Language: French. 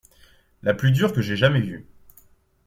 la plus dure que j'aie jamais vu.